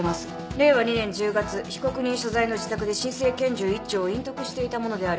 令和２年１０月被告人所在の自宅で真正拳銃１丁を隠匿していたものである。